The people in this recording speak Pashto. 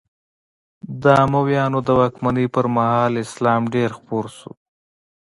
د امویانو د واکمنۍ پر مهال اسلام ډېر خپور شو.